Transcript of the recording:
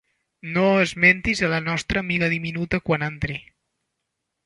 No ho esmentis a la nostra amiga diminuta quan entri.